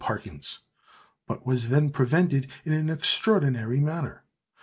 Parkins, but was then prevented in an extraordinary manner.